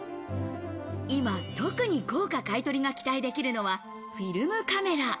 今特に高価買取が期待できるのはフィルムカメラ。